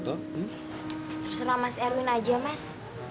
terus sama mas erwin aja mas